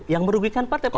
yang merugikan partai politik